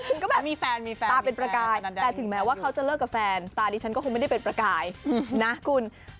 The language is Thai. ฉันก็แบบมีแฟนมีแฟนตาเป็นประกายแต่ถึงแม้ว่าเขาจะเลิกกับแฟนตาดิฉันก็คงไม่ได้เป็นประกายนะคุณ